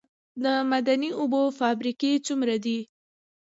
د معدني اوبو فابریکې څومره دي؟